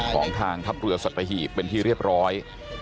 ของทางทัพเรือสัตหีบเป็นที่เรียบร้อย